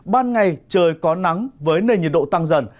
ban ngày trời có nắng với nền nhiệt độ tăng dần